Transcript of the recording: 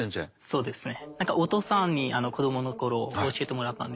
そうですね。